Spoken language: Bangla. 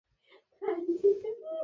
ফুলগুলি নিয়ে যেও।